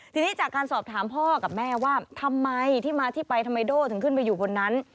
ทีนี้จากการสอบถามพ่อกับแม่ว่าทำไมที่มาที่ไปทำไมโด่ถึงขึ้นไปอยู่บนนั้น